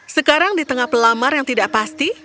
sekarang di tengah pelamar yang tidak pasti